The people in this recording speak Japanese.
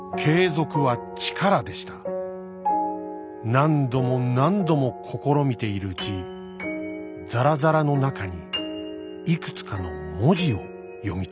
何度も何度も試みているうちザラザラの中に幾つかの文字を読み取りました。